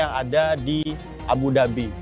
yang ada di abu dhabi